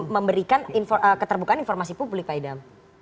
memberikan keterbukaan informasi publik pak idam